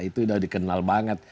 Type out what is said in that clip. itu sudah dikenal banget